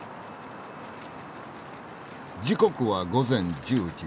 時刻は午前１０時。